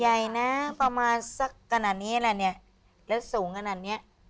ใหญ่นะพอมาสักกรรณนี้และสูงกรรณนี้